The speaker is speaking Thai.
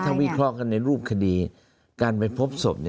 ถ้าวิเคราะห์กันในรูปคดีการไปพบศพ